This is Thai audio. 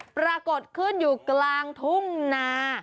ปรากฏขึ้นอยู่กลางทุ่งนา